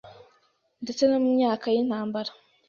ndetse no mu myaka y’intambara